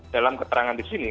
dalam keterangan di sini